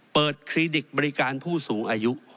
เปิดคลีดิกบริการผู้สูงอายุ